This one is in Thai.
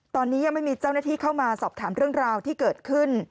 ตอนนี้ยังไม่มีเจ้าหน้าที่เข้ามาสอบถามเรื่องราวที่เกิดขึ้น